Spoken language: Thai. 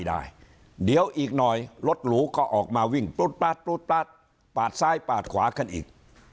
ไม่ได้เดี๋ยวอีกหน่อยรถหลูก็ออกมาวิ่งปลู๊ดปลาดปลู๊ดปลาดปาดซ้ายปาดขวาขึ้นอีก